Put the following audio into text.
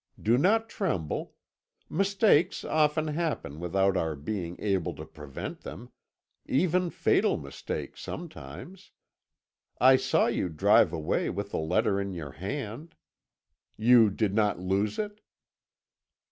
Do not tremble. Mistakes often happen without our being able to prevent them even fatal mistakes sometimes. I saw you drive away with the letter in your hand. You did not lose it?'